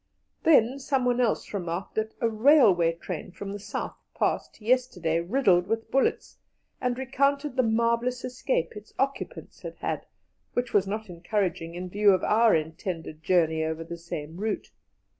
Then someone else remarked that a railway train from the South passed yesterday, riddled with bullets, and recounted the marvellous escape its occupants had had, which was not encouraging in view of our intended journey over the same route.